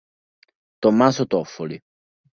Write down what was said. Tommaso Toffoli